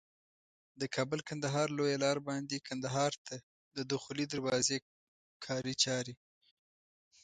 د کابل کندهار لویه لار باندي کندهار ته د دخولي دروازي کاري چاري